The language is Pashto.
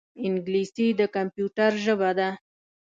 انګلیسي د کمپیوټر ژبه ده